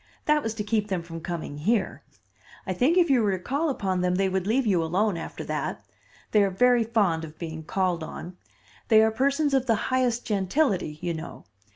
That was to keep them from coming here. I think if you were to call upon them they would leave you alone after that. They are very fond of being called on. They are persons of the highest gentility, you know.